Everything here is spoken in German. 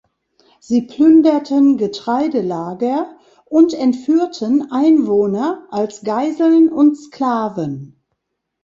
Sie plünderten Getreidelager und entführten Einwohner als Geiseln und Sklaven.